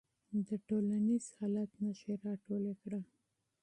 د ټولنیز حالت نښې راټولې کړه.